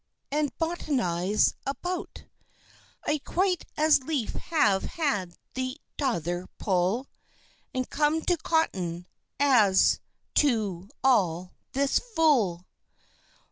and Botanize about, I'd quite as leaf have had the t'other Pull, And come to Cotton, as to all this Vool!